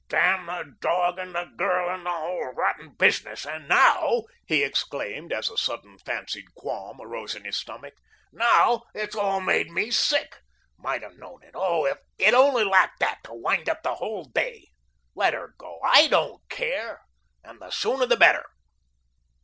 "Damn the dog and the girl and the whole rotten business and now," he exclaimed, as a sudden fancied qualm arose in his stomach, "now, it's all made me sick. Might have known it. Oh, it only lacked that to wind up the whole day. Let her go, I don't care, and the sooner the better."